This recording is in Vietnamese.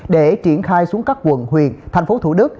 để triển khai xuống các quận huyện thành phố thủ đức